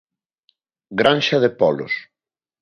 Granxa de polos.